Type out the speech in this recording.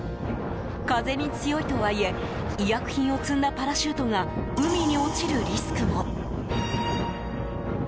風に強いとはいえ医薬品を積んだパラシュートが海に落ちるリスクも。